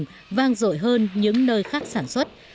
các cụ đang rội hơn những nơi khác sản xuất